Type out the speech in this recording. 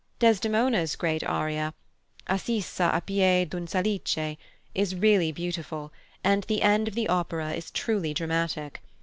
Desdemona's great aria, "Assisa a pie d'un salice," is really beautiful, and the end of the opera is truly dramatic.